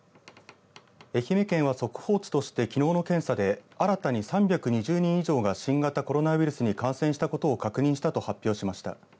愛媛県は速報値としてきのうの検査で新たに３２０人以上が新型コロナウイルスに感染したことを確認したと発表しました。